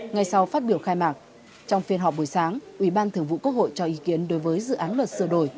ngay sau phát biểu khai mạc trong phiên họp buổi sáng ủy ban thường vụ quốc hội cho ý kiến đối với dự án luật sửa đổi